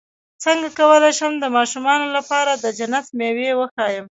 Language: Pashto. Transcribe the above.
څنګه کولی شم د ماشومانو لپاره د جنت مېوې وښایم